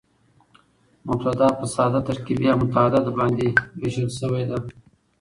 مبتداء په ساده، ترکیبي او متعدده باندي وېشل سوې ده.